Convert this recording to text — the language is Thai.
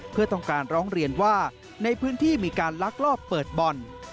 เพื่อต้องการร้องเรียนว่าในพื้นที่มีการลักลอบเปิดบ่อน